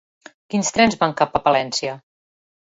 Quins trens van cap a Palència?